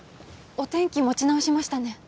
お天気持ち直しましたね